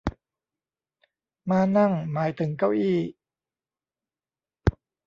ม้านั่ง หมายถึงเก้าอี้